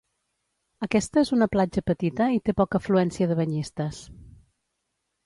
Aquesta és una platja petita i té poca afluència de banyistes.